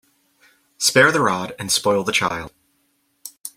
Spare the rod and spoil the child.